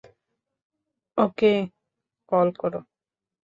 ওকে call কর।